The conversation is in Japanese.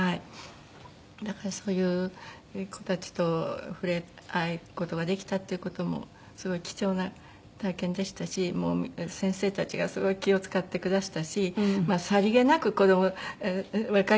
だからそういう子たちと触れ合う事ができたっていう事もすごい貴重な体験でしたし先生たちがすごい気を使ってくだすったしさりげなく若い子たちもね